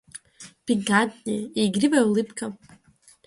Пикантнее, и игривая улыбка.